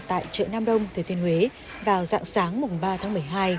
tại chợ nam đông thừa thiên huế vào dạng sáng mùng ba tháng một mươi hai